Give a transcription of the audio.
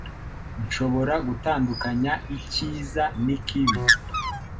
Nshobora gutandukanya icyiza n'ikibi.